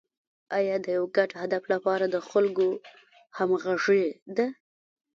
اداره د یو ګډ هدف لپاره د خلکو همغږي ده